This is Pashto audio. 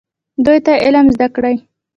دوی ته علم زده کړئ